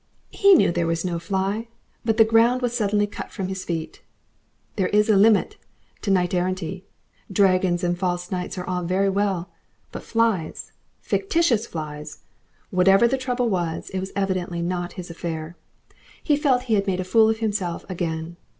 He knew there was no fly. But the ground was suddenly cut from his feet. There is a limit to knighterrantry dragons and false knights are all very well, but flies! Fictitious flies! Whatever the trouble was, it was evidently not his affair. He felt he had made a fool of himself again.